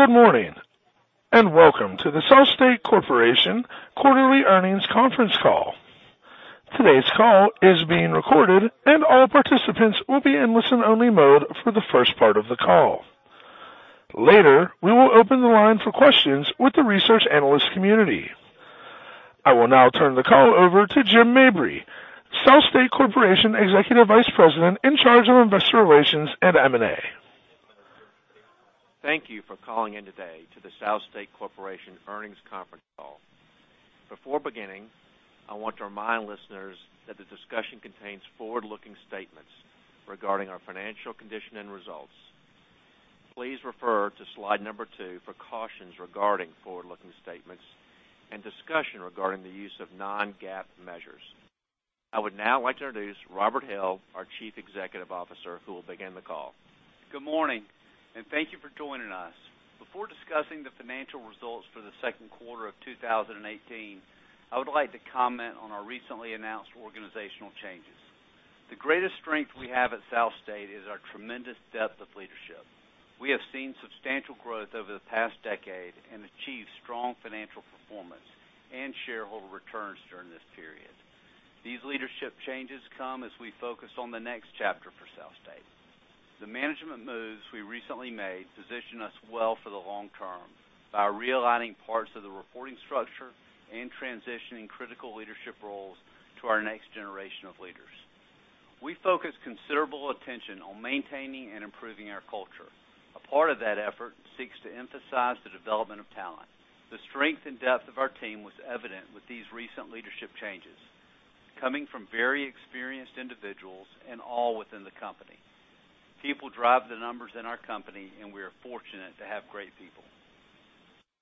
Good morning, welcome to the SouthState Corporation quarterly earnings conference call. Today's call is being recorded, and all participants will be in listen-only mode for the first part of the call. Later, we will open the line for questions with the research analyst community. I will now turn the call over to Jim Mabry, SouthState Corporation Executive Vice President in charge of Investor Relations and M&A. Thank you for calling in today to the SouthState Corporation earnings conference call. Before beginning, I want to remind listeners that the discussion contains forward-looking statements regarding our financial condition and results. Please refer to slide number two for cautions regarding forward-looking statements and discussion regarding the use of non-GAAP measures. I would now like to introduce Robert Hill, our Chief Executive Officer, who will begin the call. Good morning, thank you for joining us. Before discussing the financial results for the second quarter of 2018, I would like to comment on our recently announced organizational changes. The greatest strength we have at SouthState is our tremendous depth of leadership. We have seen substantial growth over the past decade and achieved strong financial performance and shareholder returns during this period. These leadership changes come as we focus on the next chapter for SouthState. The management moves we recently made position us well for the long term by realigning parts of the reporting structure and transitioning critical leadership roles to our next generation of leaders. We focus considerable attention on maintaining and improving our culture. A part of that effort seeks to emphasize the development of talent. The strength and depth of our team was evident with these recent leadership changes, coming from very experienced individuals and all within the company. People drive the numbers in our company, we are fortunate to have great people.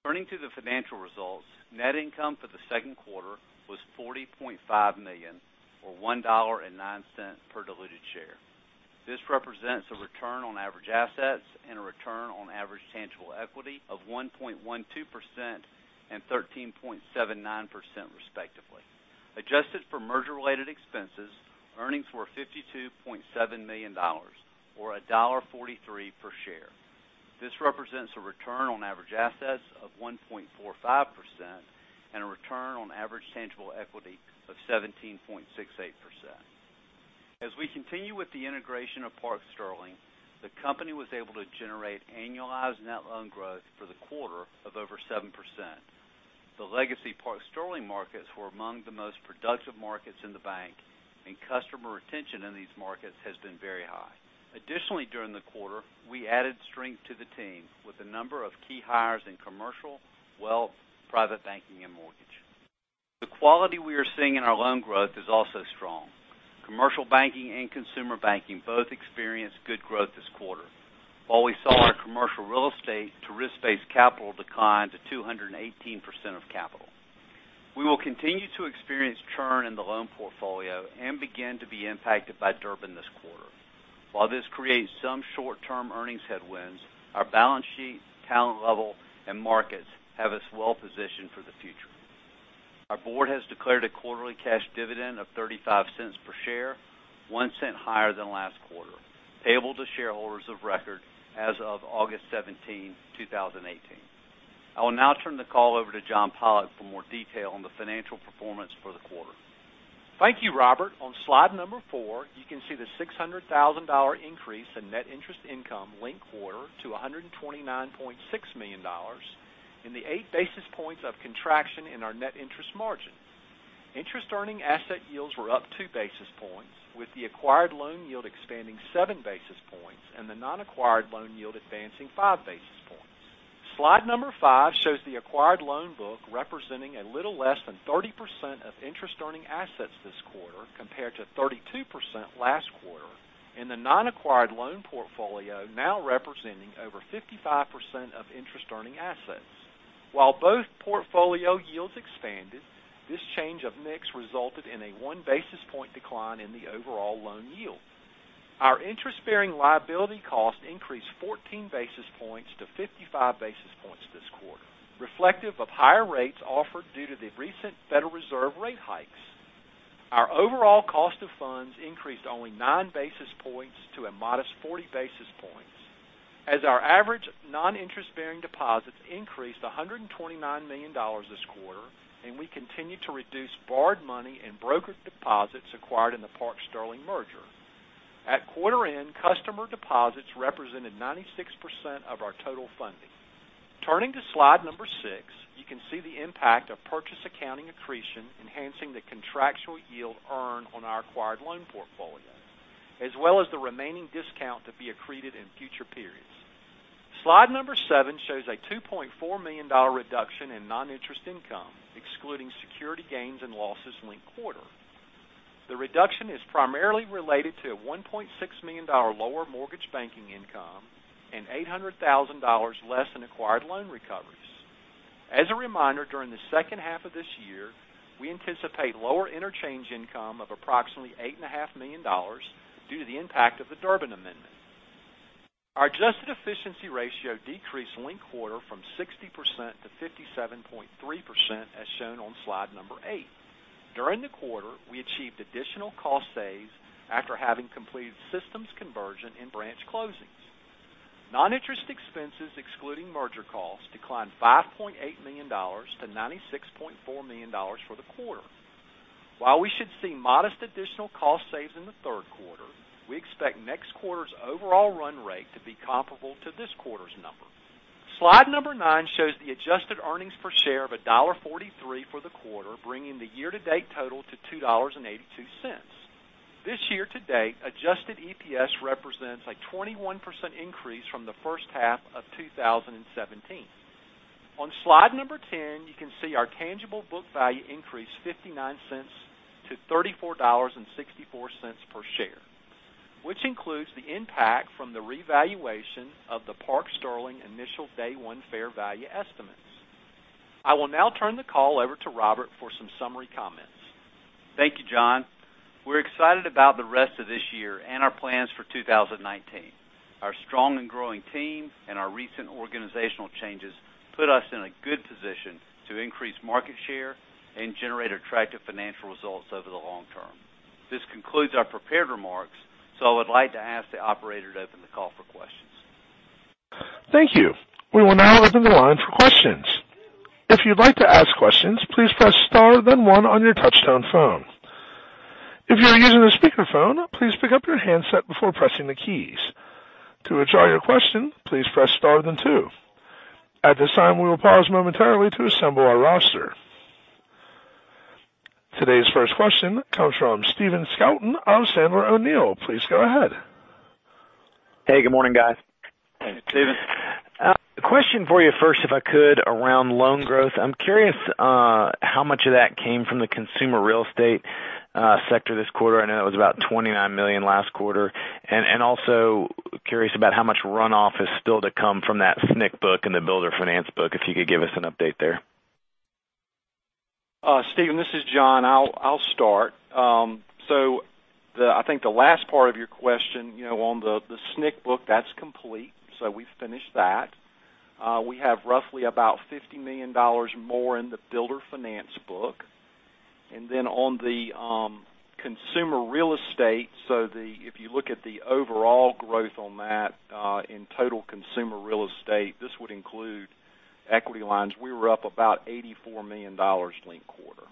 Turning to the financial results, net income for the second quarter was $40.5 million or $1.09 per diluted share. This represents a return on average assets and a return on average tangible equity of 1.12% and 13.79%, respectively. Adjusted for merger-related expenses, earnings were $52.7 million, or $1.43 per share. This represents a return on average assets of 1.45% and a return on average tangible equity of 17.68%. As we continue with the integration of Park Sterling, the company was able to generate annualized net loan growth for the quarter of over 7%. The legacy Park Sterling markets were among the most productive markets in the bank, and customer retention in these markets has been very high. Additionally, during the quarter, we added strength to the team with a number of key hires in commercial, wealth, private banking, and mortgage. The quality we are seeing in our loan growth is also strong. Commercial banking and consumer banking both experienced good growth this quarter. While we saw our commercial real estate to risk-based capital decline to 218% of capital. We will continue to experience churn in the loan portfolio and begin to be impacted by Durbin this quarter. While this creates some short-term earnings headwinds, our balance sheet, talent level, and markets have us well positioned for the future. Our board has declared a quarterly cash dividend of $0.35 per share, $0.01 higher than last quarter, payable to shareholders of record as of August 17, 2018. I will now turn the call over to John Pollok for more detail on the financial performance for the quarter. Thank you, Robert. On slide number four, you can see the $600,000 increase in net interest income linked quarter to $129.6 million in the eight basis points of contraction in our net interest margin. Interest-earning asset yields were up two basis points, with the acquired loan yield expanding seven basis points and the non-acquired loan yield advancing five basis points. Slide number five shows the acquired loan book representing a little less than 30% of interest-earning assets this quarter, compared to 32% last quarter, and the non-acquired loan portfolio now representing over 55% of interest-earning assets. While both portfolio yields expanded, this change of mix resulted in a one-basis point decline in the overall loan yield. Our interest-bearing liability cost increased 14 basis points to 55 basis points this quarter, reflective of higher rates offered due to the recent Federal Reserve rate hikes. Our overall cost of funds increased only nine basis points to a modest 40 basis points as our average non-interest-bearing deposits increased $129 million this quarter, and we continued to reduce borrowed money and brokered deposits acquired in the Park Sterling merger. At quarter end, customer deposits represented 96% of our total funding. Turning to slide number six, you can see the impact of purchase accounting accretion enhancing the contractual yield earned on our acquired loan portfolio, as well as the remaining discount to be accreted in future periods. Slide number seven shows a $2.4 million reduction in non-interest income, excluding security gains and losses linked quarter. The reduction is primarily related to a $1.6 million lower mortgage banking income and $800,000 less in acquired loan recoveries. As a reminder, during the second half of this year, we anticipate lower interchange income of approximately $8.5 million due to the impact of the Durbin Amendment. Our adjusted efficiency ratio decreased linked quarter from 60% to 57.3%, as shown on slide number eight. During the quarter, we achieved additional cost saves after having completed systems conversion and branch closings. Non-interest expenses, excluding merger costs, declined $5.8 million to $96.4 million for the quarter. We should see modest additional cost saves in the third quarter. We expect next quarter's overall run rate to be comparable to this quarter's number. Slide number nine shows the adjusted earnings per share of $1.43 for the quarter, bringing the year-to-date total to $2.82. This year-to-date adjusted EPS represents a 21% increase from the first half of 2017. On slide number 10, you can see our tangible book value increased $0.59 to $34.64 per share, which includes the impact from the revaluation of the Park Sterling initial day one fair value estimates. I will now turn the call over to Robert for some summary comments. Thank you, John. We're excited about the rest of this year and our plans for 2019. Our strong and growing team and our recent organizational changes put us in a good position to increase market share and generate attractive financial results over the long term. This concludes our prepared remarks. I would like to ask the operator to open the call for questions. Thank you. We will now open the line for questions. If you'd like to ask questions, please press star then one on your touchtone phone. If you are using a speakerphone, please pick up your handset before pressing the keys. To withdraw your question, please press star then two. At this time, we will pause momentarily to assemble our roster. Today's first question comes from Stephen Scouten of Sandler O'Neill. Please go ahead. Hey, good morning, guys. Hey, Stephen. A question for you first, if I could, around loan growth. I'm curious how much of that came from the consumer real estate sector this quarter. I know it was about $29 million last quarter. Also curious about how much runoff is still to come from that SNC book and the builder finance book, if you could give us an update there. Stephen, this is John. I'll start. I think the last part of your question, on the SNC book, that's complete. We've finished that. We have roughly about $50 million more in the builder finance book. On the consumer real estate, if you look at the overall growth on that in total consumer real estate, this would include equity lines. We were up about $84 million linked quarter.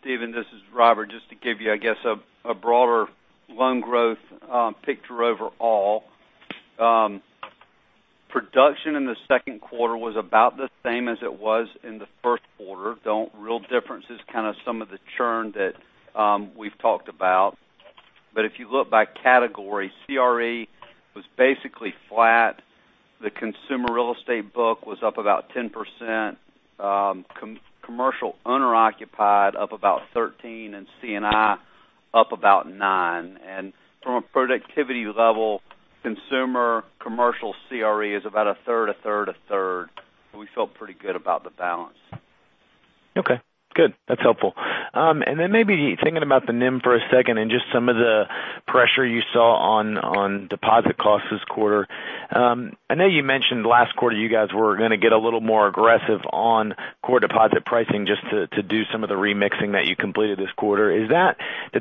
Stephen, this is Robert. Just to give you, I guess, a broader loan growth picture overall. Production in the second quarter was about the same as it was in the first quarter. The real difference is kind of some of the churn that we've talked about. If you look by category, CRE was basically flat. The consumer real estate book was up about 10%, commercial owner-occupied up about 13%, and C&I up about 9%. From a productivity level, consumer, commercial, CRE is about a third, a third, a third. We felt pretty good about the balance. Okay, good. That's helpful. Then maybe thinking about the NIM for a second and just some of the pressure you saw on deposit costs this quarter. I know you mentioned last quarter you guys were going to get a little more aggressive on core deposit pricing just to do some of the remixing that you completed this quarter. Did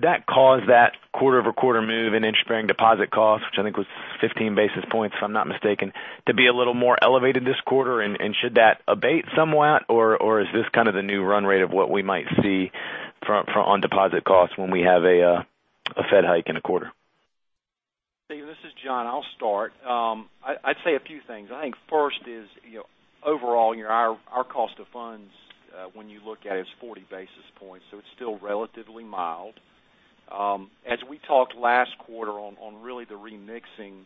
that cause that quarter-over-quarter move in interest-bearing deposit costs, which I think was 15 basis points, if I'm not mistaken, to be a little more elevated this quarter? Should that abate somewhat? Or is this kind of the new run rate of what we might see on deposit costs when we have a Fed hike in a quarter? Stephen, this is John. I'll start. I'd say a few things. I think first is, overall, our cost of funds, when you look at it, is 40 basis points. It's still relatively mild. As we talked last quarter on really the remixing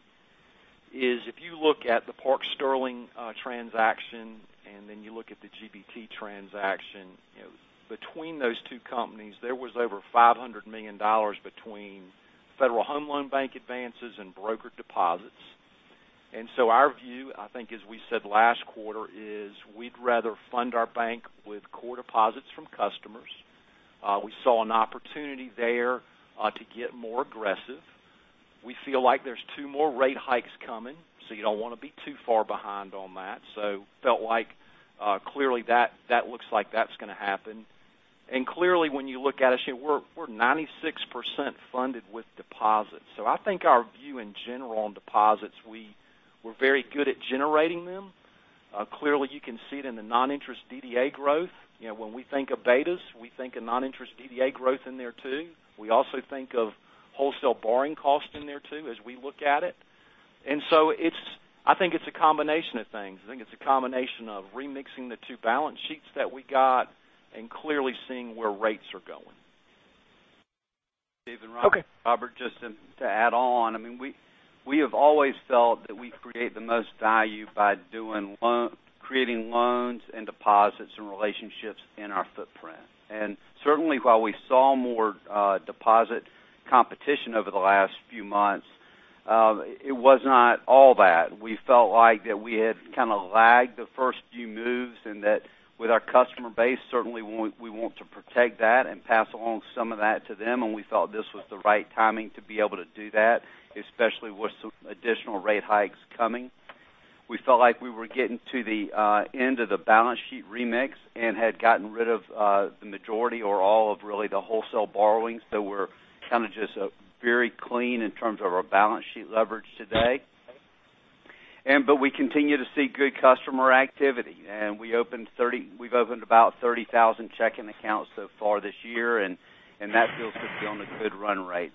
is if you look at the Park Sterling transaction, then you look at the GBT transaction, between those two companies, there was over $500 million between Federal Home Loan Bank advances and broker deposits. Our view, I think as we said last quarter, is we'd rather fund our bank with core deposits from customers. We saw an opportunity there to get more aggressive. We feel like there's two more rate hikes coming, so you don't want to be too far behind on that. Felt like clearly that looks like that's going to happen. Clearly, when you look at us, we're 96% funded with deposits. I think our view in general on deposits, we're very good at generating them. Clearly, you can see it in the non-interest DDA growth. When we think of betas, we think of non-interest DDA growth in there, too. We also think of wholesale borrowing costs in there, too, as we look at it. I think it's a combination of things. I think it's a combination of remixing the two balance sheets that we got and clearly seeing where rates are going. Okay. Robert, just to add on, we have always felt that we create the most value by creating loans and deposits and relationships in our footprint. Certainly, while we saw more deposit competition over the last few months, it was not all that. We felt like that we had kind of lagged the first few moves and that with our customer base, certainly we want to protect that and pass along some of that to them, and we felt this was the right timing to be able to do that, especially with some additional rate hikes coming. We felt like we were getting to the end of the balance sheet remix and had gotten rid of the majority or all of really the wholesale borrowings that were kind of just very clean in terms of our balance sheet leverage today. We continue to see good customer activity, and we've opened about 30,000 checking accounts so far this year, and that feels to be on a good run rate.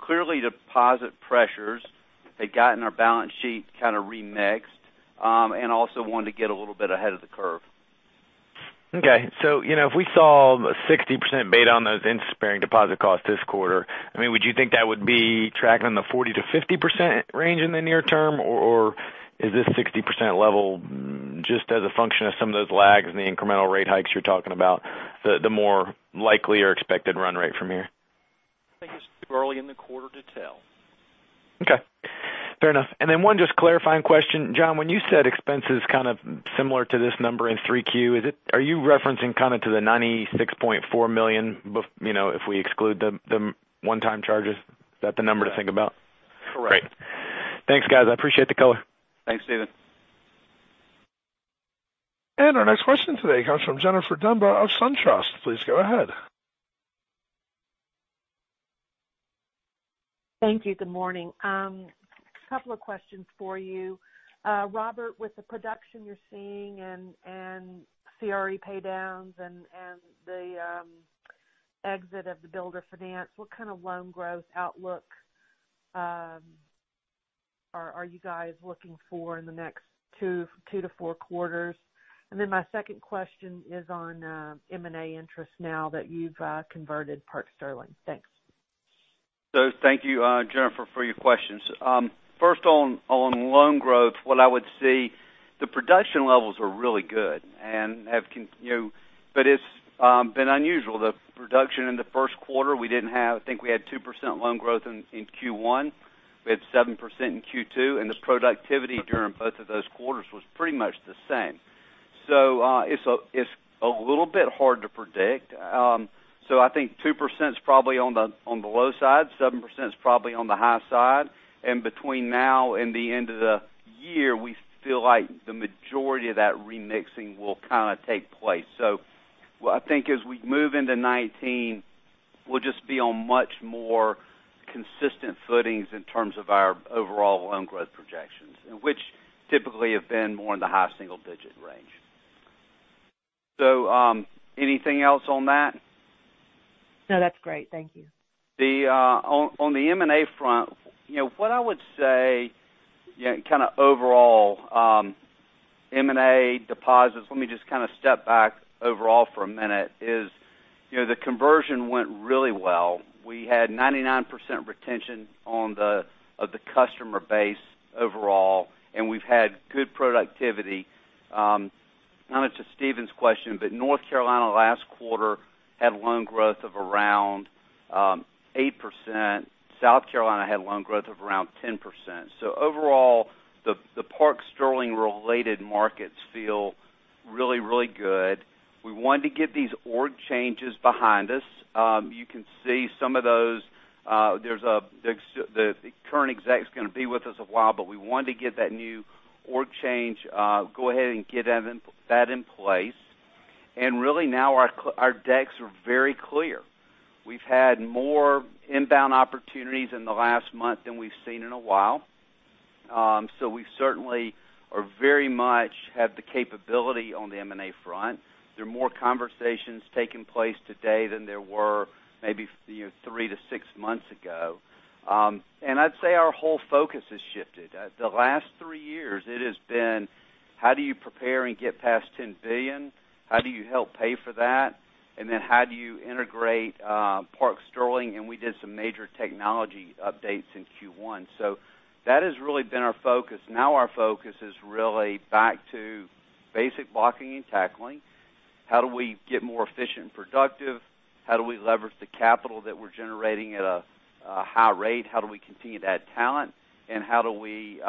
Clearly deposit pressures had gotten our balance sheet kind of remixed, and also wanted to get a little bit ahead of the curve. Okay. If we saw a 60% beta on those interest-bearing deposit costs this quarter, would you think that would be tracking on the 40%-50% range in the near term, or is this 60% level just as a function of some of those lags in the incremental rate hikes you're talking about, the more likely or expected run rate from here? I think it's too early in the quarter to tell. Okay. Fair enough. One just clarifying question, John, when you said expenses kind of similar to this number in Q3, are you referencing kind of to the $96.4 million if we exclude the one-time charges? Is that the number to think about? Correct. Great. Thanks, guys. I appreciate the color. Thanks, Stephen. Our next question today comes from Jennifer Demba of SunTrust. Please go ahead. Thank you. Good morning. Couple of questions for you. Robert, with the production you're seeing and CRE pay-downs and the exit of the builder finance, what kind of loan growth outlook are you guys looking for in the next two to four quarters? My second question is on M&A interest now that you've converted Park Sterling. Thanks. Thank you, Jennifer, for your questions. First on loan growth, what I would see, the production levels are really good. It's been unusual. The production in the first quarter, I think we had 2% loan growth in Q1. We had 7% in Q2, and the productivity during both of those quarters was pretty much the same. It's a little bit hard to predict. I think 2% is probably on the low side, 7% is probably on the high side. Between now and the end of the year, we feel like the majority of that remixing will kind of take place. I think as we move into 2019, we'll just be on much more consistent footings in terms of our overall loan growth projections, which typically have been more in the high single-digit range. Anything else on that? No, that's great. Thank you. On the M&A front, what I would say, kind of overall, M&A deposits, let me just kind of step back overall for a minute, is the conversion went really well. We had 99% retention of the customer base overall, and we've had good productivity. Kind of to Stephen's question, North Carolina last quarter had loan growth of around 8%. South Carolina had loan growth of around 10%. Overall, the Park Sterling related markets feel really, really good. We wanted to get these org changes behind us. You can see some of those. The current exec is going to be with us a while, but we wanted to get that new org change, go ahead and get that in place. Really now our decks are very clear. We've had more inbound opportunities in the last month than we've seen in a while. We certainly very much have the capability on the M&A front. There are more conversations taking place today than there were maybe three to six months ago. I'd say our whole focus has shifted. The last three years, it has been, how do you prepare and get past $10 billion? How do you help pay for that? How do you integrate Park Sterling? We did some major technology updates in Q1. That has really been our focus. Now our focus is really back to basic blocking and tackling. How do we get more efficient and productive? How do we leverage the capital that we're generating at a high rate? How do we continue to add talent, and how do we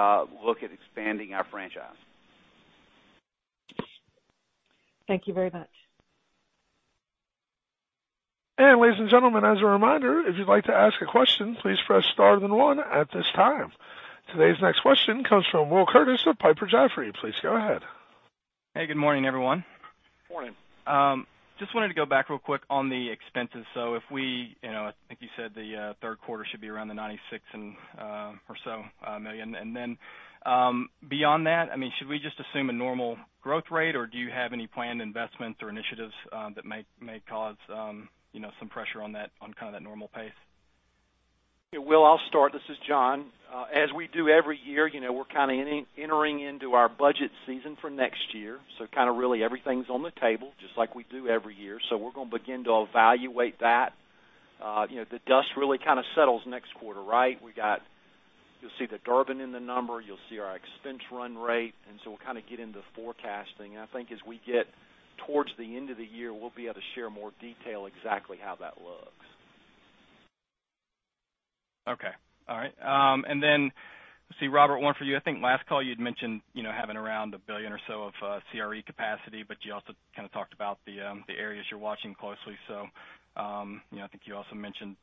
look at expanding our franchise? Thank you very much. Ladies and gentlemen, as a reminder, if you'd like to ask a question, please press star then one at this time. Today's next question comes from Will Curtis of Piper Jaffray. Please go ahead. Hey, good morning, everyone. Morning. Just wanted to go back real quick on the expenses. I think you said the third quarter should be around the $96 million or so. Beyond that, should we just assume a normal growth rate, or do you have any planned investments or initiatives that may cause some pressure on that normal pace? Will, I'll start. This is John. As we do every year, we're entering into our budget season for next year. Really everything's on the table, just like we do every year. We're going to begin to evaluate that. The dust really settles next quarter, right? You'll see the Durbin in the number. You'll see our expense run rate, we'll get into forecasting. I think as we get towards the end of the year, we'll be able to share more detail exactly how that looks. Okay. All right. Let's see, Robert, one for you. I think last call you'd mentioned having around $1 billion or so of CRE capacity, but you also talked about the areas you're watching closely. I think you also mentioned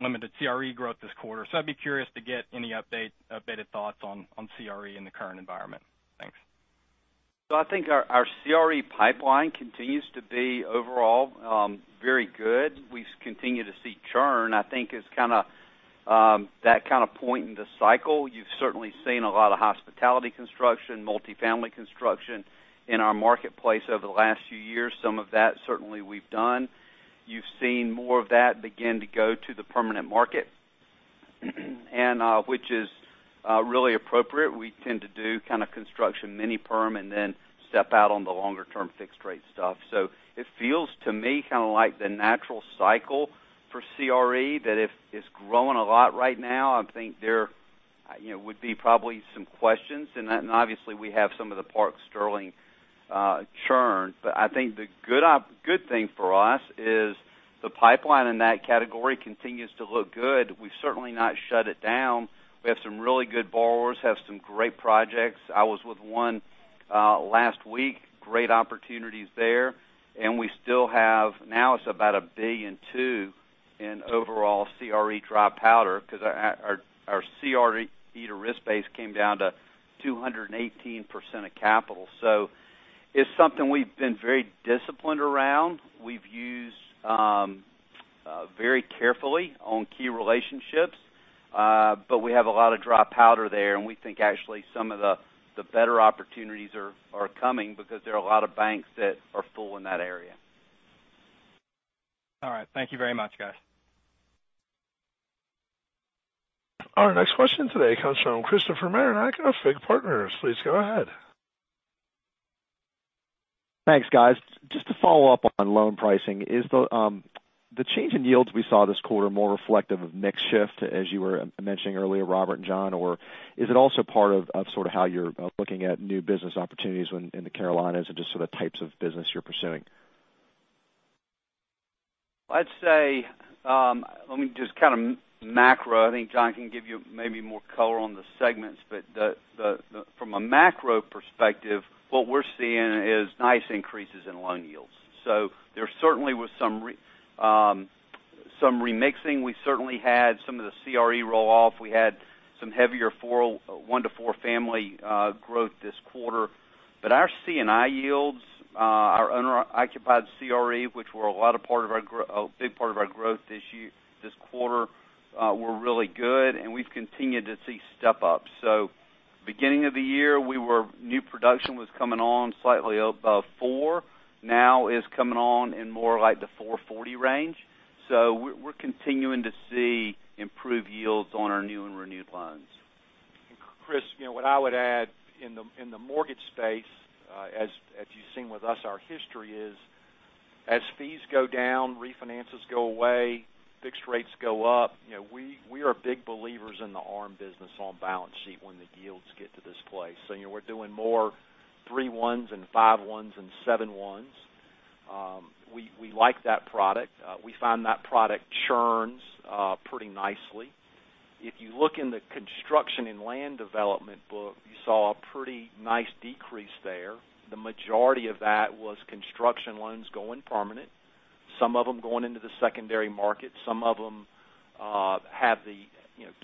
limited CRE growth this quarter. I'd be curious to get any updated thoughts on CRE in the current environment. Thanks. I think our CRE pipeline continues to be overall very good. We continue to see churn, I think is that point in the cycle. You've certainly seen a lot of hospitality construction, multi-family construction in our marketplace over the last few years. Some of that certainly we've done. You've seen more of that begin to go to the permanent market, which is really appropriate. We tend to do construction mini-perm and then step out on the longer-term fixed rate stuff. It feels to me like the natural cycle for CRE that if it's growing a lot right now, I think there would be probably some questions, and obviously, we have some of the Park Sterling churn. I think the good thing for us is the pipeline in that category continues to look good. We've certainly not shut it down. We have some really good borrowers, have some great projects. I was with one last week, great opportunities there. We still have, now it's about $1.2 billion in overall CRE dry powder because our CRE to risk base came down to 218% of capital. It's something we've been very disciplined around. We've used very carefully on key relationships. We have a lot of dry powder there, and we think actually some of the better opportunities are coming because there are a lot of banks that are full in that area. All right. Thank you very much, guys. Our next question today comes from Christopher Marinac of FIG Partners. Please go ahead. Thanks, guys. Just to follow up on loan pricing, is the change in yields we saw this quarter more reflective of mix shift, as you were mentioning earlier, Robert and John, or is it also part of sort of how you're looking at new business opportunities in the Carolinas and just sort of types of business you're pursuing? I'd say, let me just kind of macro, I think John can give you maybe more color on the segments, but from a macro perspective, what we're seeing is nice increases in loan yields. There certainly was some remixing. We certainly had some of the CRE roll-off. We had some heavier one to four-family growth this quarter. Our C&I yields, our owner-occupied CRE, which were a big part of our growth this quarter were really good, and we've continued to see step-up. Beginning of the year, new production was coming on slightly above four, now is coming on in more like the 440 range. We're continuing to see improved yields on our new and renewed loans. Chris, what I would add in the mortgage space, as you've seen with us, our history is as fees go down, refinances go away, fixed rates go up. We are big believers in the ARM business on balance sheet when the yields get to this place. We're doing more three ones and five ones and seven ones. We like that product. We find that product churns pretty nicely. If you look in the construction and land development book, you saw a pretty nice decrease there. The majority of that was construction loans going permanent. Some of them going into the secondary market, some of them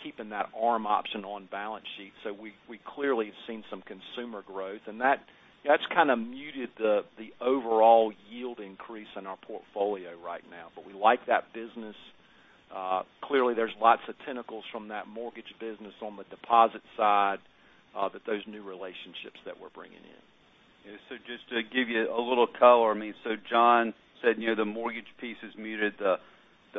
keeping that ARM option on balance sheet. We clearly have seen some consumer growth, and that's kind of muted the overall yield increase in our portfolio right now. We like that business. Clearly, there's lots of tentacles from that mortgage business on the deposit side that those new relationships that we're bringing in. Just to give you a little color, John said the mortgage piece has muted the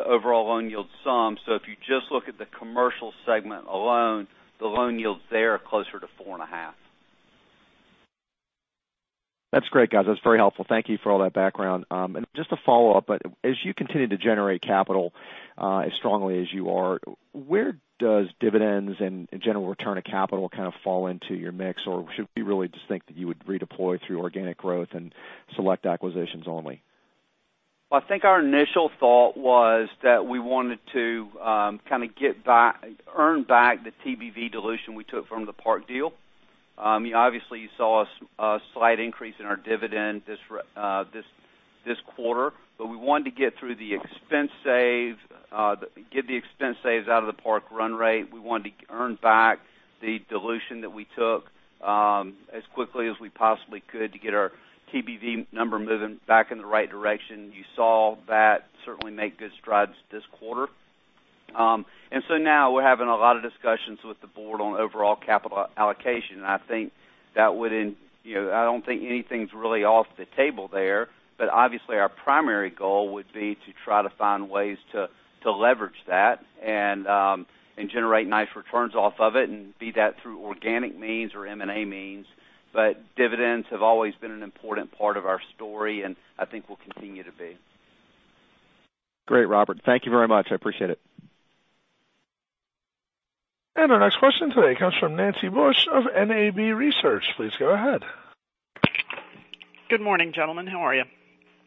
overall loan yield some. If you just look at the commercial segment alone, the loan yields there are closer to four and a half. That's great, guys. That's very helpful. Thank you for all that background. Just a follow-up, as you continue to generate capital as strongly as you are, where does dividends and general return of capital kind of fall into your mix? Should we really just think that you would redeploy through organic growth and select acquisitions only? Well, I think our initial thought was that we wanted to kind of earn back the TBV dilution we took from the Park deal. Obviously you saw a slight increase in our dividend this quarter, but we wanted to get through the expense saves out of the Park run rate. We wanted to earn back the dilution that we took as quickly as we possibly could to get our TBV number moving back in the right direction. You saw that certainly make good strides this quarter. Now we're having a lot of discussions with the board on overall capital allocation, and I don't think anything's really off the table there. Obviously, our primary goal would be to try to find ways to leverage that and generate nice returns off of it, and be that through organic means or M&A means. Dividends have always been an important part of our story, and I think will continue to be. Great, Robert. Thank you very much. I appreciate it. Our next question today comes from Nancy Bush of NAB Research. Please go ahead. Good morning, gentlemen. How are you?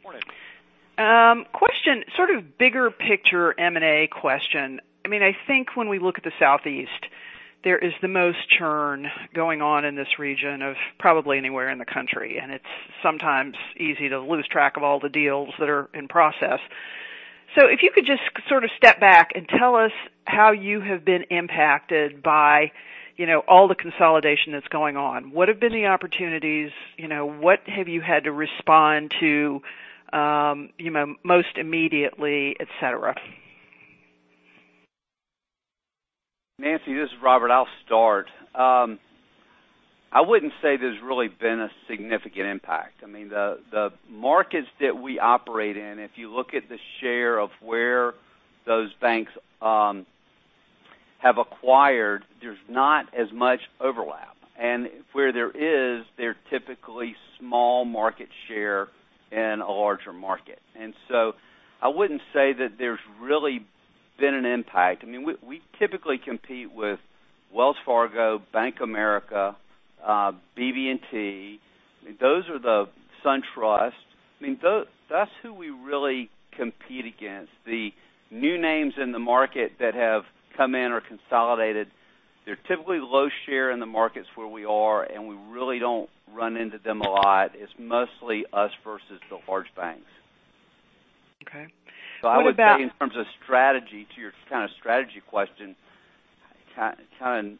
Morning. Question, sort of bigger picture M&A question. I think when we look at the Southeast, there is the most churn going on in this region of probably anywhere in the country, and it's sometimes easy to lose track of all the deals that are in process. If you could just sort of step back and tell us how you have been impacted by all the consolidation that's going on. What have been the opportunities? What have you had to respond to most immediately, et cetera? Nancy, this is Robert, I'll start. I wouldn't say there's really been a significant impact. The markets that we operate in, if you look at the share of where those banks have acquired, there's not as much overlap. Where there is, they're typically small market share in a larger market. I wouldn't say that there's really been an impact. We typically compete with Wells Fargo, Bank of America, BB&T, SunTrust. That's who we really compete against. The new names in the market that have come in or consolidated, they're typically low share in the markets where we are, and we really don't run into them a lot. It's mostly us versus the large banks. Okay. I would say in terms of strategy, to your kind of strategy question, kind of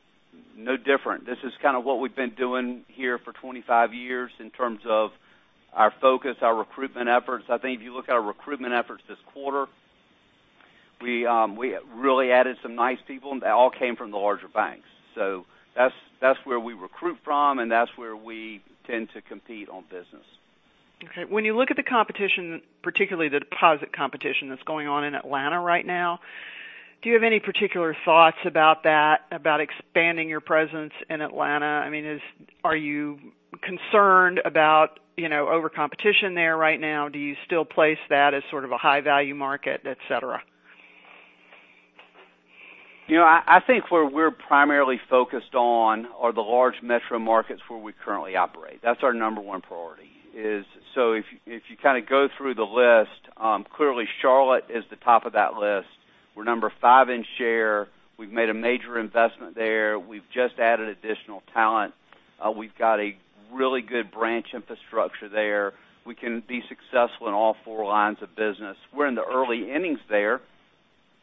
no different. This is kind of what we've been doing here for 25 years in terms of our focus, our recruitment efforts. I think if you look at our recruitment efforts this quarter, we really added some nice people, and they all came from the larger banks. That's where we recruit from, and that's where we tend to compete on business. Okay. When you look at the competition, particularly the deposit competition that's going on in Atlanta right now, do you have any particular thoughts about that, about expanding your presence in Atlanta? Are you concerned about over competition there right now? Do you still place that as sort of a high-value market, et cetera? I think where we're primarily focused on are the large metro markets where we currently operate. That's our number 1 priority. If you kind of go through the list, clearly Charlotte is the top of that list. We're number 5 in share. We've made a major investment there. We've just added additional talent. We've got a really good branch infrastructure there. We can be successful in all four lines of business. We're in the early innings there,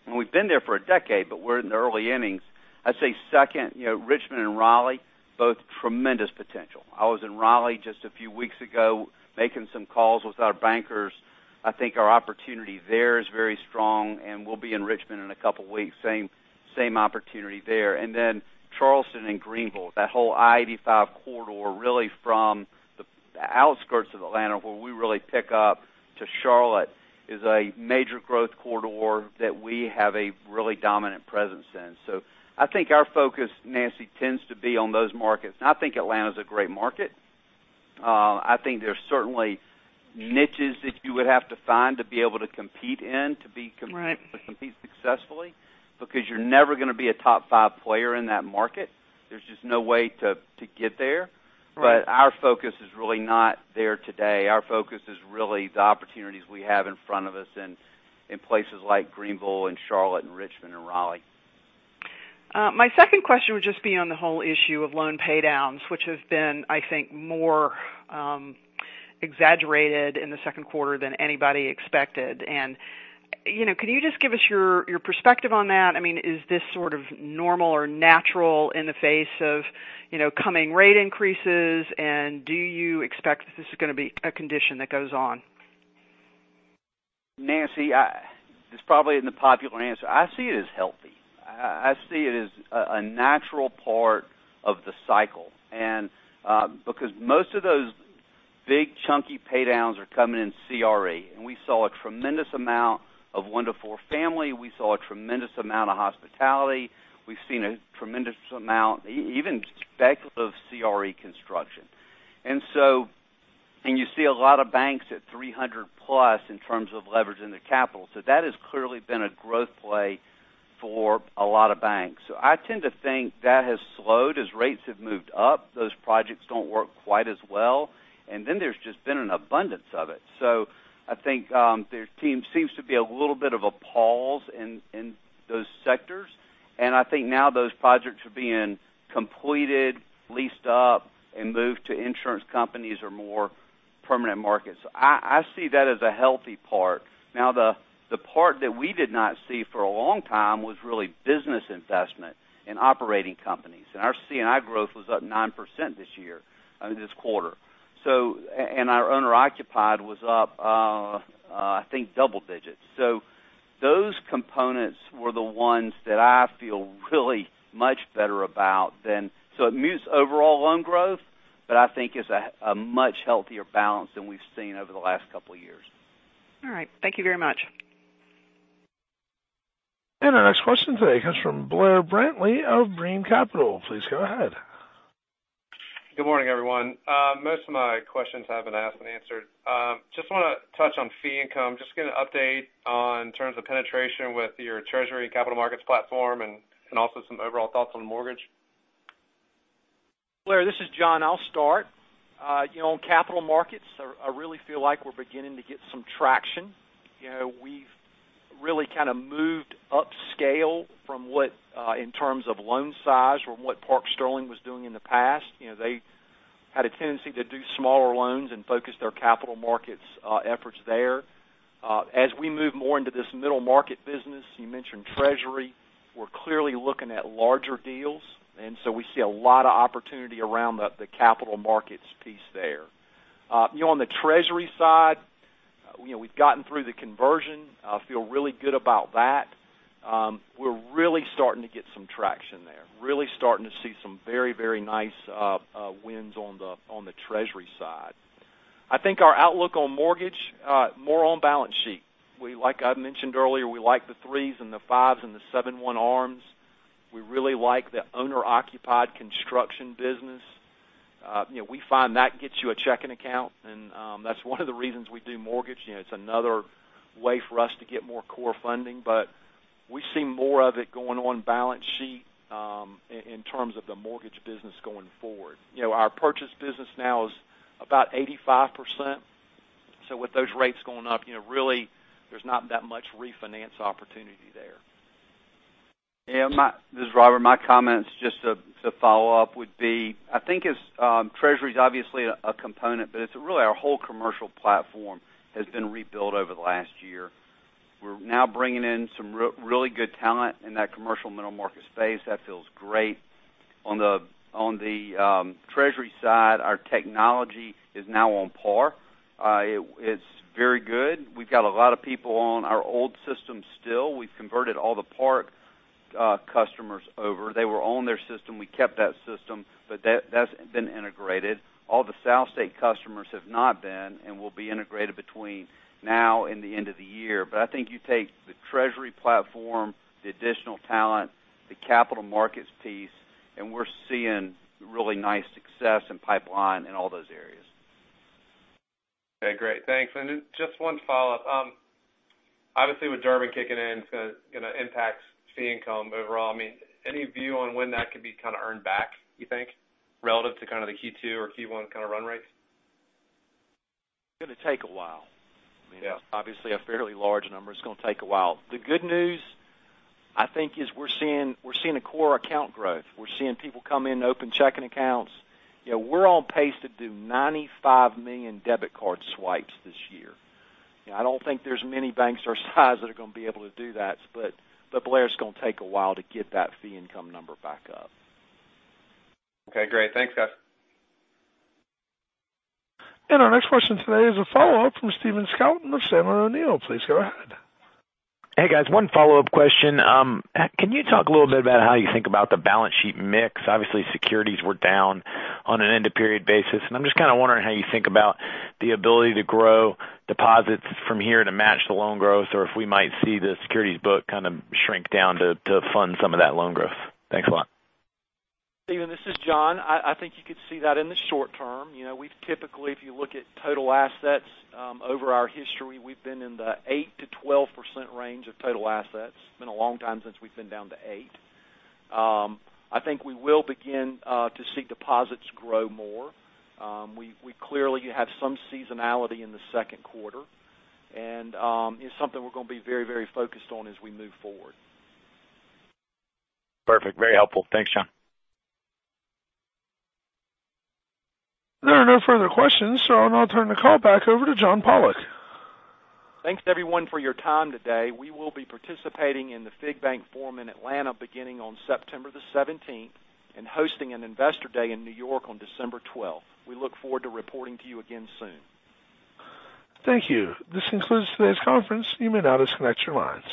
and we've been there for a decade, but we're in the early innings. I'd say second, Richmond and Raleigh, both tremendous potential. I was in Raleigh just a few weeks ago, making some calls with our bankers. I think our opportunity there is very strong, and we'll be in Richmond in a couple of weeks, same opportunity there. Charleston and Greenville, that whole I-85 corridor, really from the outskirts of Atlanta, where we really pick up to Charlotte, is a major growth corridor that we have a really dominant presence in. I think our focus, Nancy, tends to be on those markets. I think Atlanta's a great market. I think there's certainly niches that you would have to find to be able to compete in to compete successfully, because you're never going to be a top 5 player in that market. There's just no way to get there. Right. Our focus is really not there today. Our focus is really the opportunities we have in front of us in places like Greenville and Charlotte and Richmond and Raleigh. My second question would just be on the whole issue of loan paydowns, which have been, I think, more exaggerated in the second quarter than anybody expected. Can you just give us your perspective on that? Is this sort of normal or natural in the face of coming rate increases, and do you expect that this is going to be a condition that goes on? Nancy, it's probably an unpopular answer. I see it as healthy. I see it as a natural part of the cycle. Most of those big chunky paydowns are coming in CRE, and we saw a tremendous amount of one to four family, we saw a tremendous amount of hospitality. We've seen a tremendous amount, even speculative CRE construction. You see a lot of banks at 300+ in terms of leverage in their capital. That has clearly been a growth play for a lot of banks. I tend to think that has slowed. As rates have moved up, those projects don't work quite as well. There's just been an abundance of it. I think there seems to be a little bit of a pause in those sectors, and I think now those projects are being completed, leased up, and moved to insurance companies or more permanent markets. I see that as a healthy part. The part that we did not see for a long time was really business investment in operating companies, our C&I growth was up 9% this quarter. Our owner-occupied was up, I think, double digits. Those components were the ones that I feel really much better about. It mutes overall loan growth, but I think it's a much healthier balance than we've seen over the last couple of years. All right. Thank you very much. Our next question today comes from Blair Brantley of Brean Capital. Please go ahead. Good morning, everyone. Most of my questions have been asked and answered. Just want to touch on fee income, just get an update on terms of penetration with your treasury and capital markets platform, and also some overall thoughts on mortgage. Blair, this is John. I'll start. On capital markets, I really feel like we're beginning to get some traction. We've really kind of moved upscale in terms of loan size from what Park Sterling was doing in the past. They Had a tendency to do smaller loans and focus their capital markets efforts there. As we move more into this middle market business, you mentioned treasury, we're clearly looking at larger deals. We see a lot of opportunity around the capital markets piece there. On the treasury side, we've gotten through the conversion, feel really good about that. We're really starting to get some traction there, really starting to see some very nice wins on the treasury side. I think our outlook on mortgage, more on balance sheet. Like I mentioned earlier, we like the three and the five and the seven one ARMs. We really like the owner-occupied construction business. We find that gets you a checking account, and that's one of the reasons we do mortgage. It's another way for us to get more core funding. We see more of it going on balance sheet, in terms of the mortgage business going forward. Our purchase business now is about 85%. With those rates going up, really, there's not that much refinance opportunity there. This is Robert. My comments just to follow up would be, I think treasury's obviously a component. It's really our whole commercial platform has been rebuilt over the last year. We're now bringing in some really good talent in that commercial middle market space. That feels great. On the treasury side, our technology is now on par. It's very good. We've got a lot of people on our old system still. We've converted all the Park customers over. They were on their system. We kept that system. That's been integrated. All the SouthState Bank customers have not been and will be integrated between now and the end of the year. I think you take the treasury platform, the additional talent, the capital markets piece. We're seeing really nice success in pipeline in all those areas. Okay, great. Thanks. Just one follow-up. Obviously, with Durbin kicking in, it's going to impact fee income overall. Any view on when that could be kind of earned back, you think, relative to kind of the Q2 or Q1 kind of run rates? Going to take a while. Yeah. Obviously a fairly large number. It's going to take a while. The good news, I think, is we're seeing a core account growth. We're seeing people come in to open checking accounts. We're on pace to do 95 million debit card swipes this year. I don't think there's many banks our size that are going to be able to do that. Blair, it's going to take a while to get that fee income number back up. Okay, great. Thanks, guys. Our next question today is a follow-up from Stephen Scouten of Sandler O'Neill. Please go ahead. Hey, guys. One follow-up question. Can you talk a little bit about how you think about the balance sheet mix? Obviously, securities were down on an end-of-period basis. I'm just kind of wondering how you think about the ability to grow deposits from here to match the loan growth, or if we might see the securities book kind of shrink down to fund some of that loan growth. Thanks a lot. Stephen, this is John. I think you could see that in the short term. We've typically, if you look at total assets over our history, we've been in the 8%-12% range of total assets. Been a long time since we've been down to eight. I think we will begin to see deposits grow more. We clearly have some seasonality in the second quarter. It's something we're going to be very focused on as we move forward. Perfect. Very helpful. Thanks, John. There are no further questions, I'll now turn the call back over to John Pollock. Thanks everyone for your time today. We will be participating in the FIG Bank Forum in Atlanta beginning on September the 17th and hosting an investor day in New York on December 12th. We look forward to reporting to you again soon. Thank you. This concludes today's conference. You may now disconnect your lines.